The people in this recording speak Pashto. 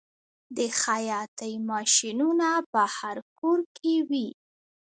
د خیاطۍ ماشینونه په هر کور کې وي